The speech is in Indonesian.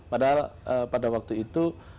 padahal pada waktu itu